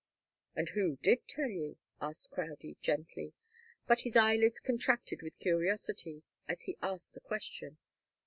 "And who did tell you?" asked Crowdie, gently, but his eyelids contracted with curiosity as he asked the question.